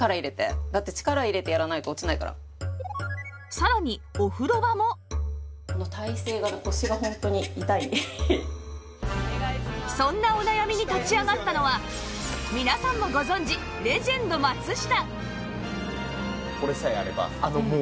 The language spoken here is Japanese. さらにそんなお悩みに立ち上がったのは皆さんもご存じレジェンド松下